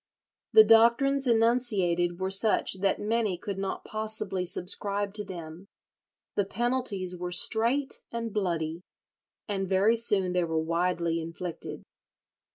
The doctrines enunciated were such that many could not possibly subscribe to them; the penalties were "strait and bloody," and very soon they were widely inflicted.